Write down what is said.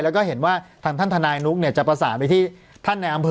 แล้วก็เห็นว่าทางท่านทนายนุ๊กเนี่ยจะประสานไปที่ท่านในอำเภอ